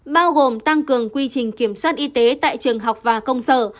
bao gồm tăng cường quy trình kiểm soát y tế tại trường học và công sở